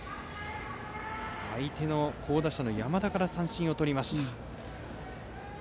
好打者、山田から三振をとりました。